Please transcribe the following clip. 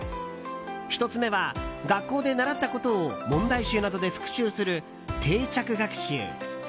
１つ目は学校で習ったことを問題集などで復習する定着学習。